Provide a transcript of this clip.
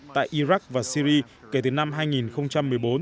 tại iraq và syri kể từ năm hai nghìn một mươi bốn